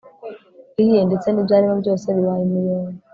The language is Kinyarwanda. ihiye ndetse nibyarimo byose bibaye umuyonga